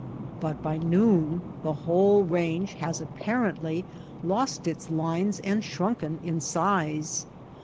But by noon the whole range has apparently lost its lines and shrunken in size.